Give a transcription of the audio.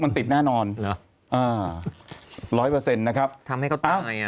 มันติดแน่นอนเหรออ่าร้อยเปอร์เซ็นต์นะครับทำให้เขาตายอ่ะ